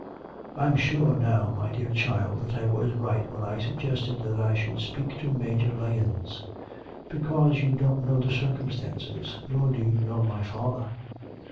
'I'm sure now, my dear child, that I was right when I suggested that I should speak to Major Lahens.' 'Because you don't know the circumstances, nor do you know my father.